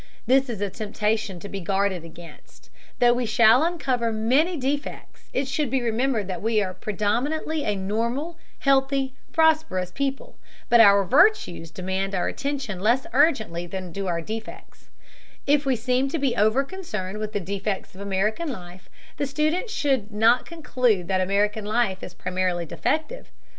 This is a temptation to be guarded against. Though we shall uncover many defects, it should be remembered that we are predominantly a normal, healthy, prosperous people. But our virtues demand our attention less urgently than do our defects. If we seem to be overconcerned with the defects of American life, the student should not conclude that American life is primarily defective.